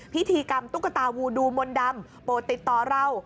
พิธีกรรมตุ๊กตาวูดูมนต์ดำโปรดติดต่อเรา